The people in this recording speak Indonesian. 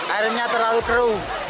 airnya terlalu keruh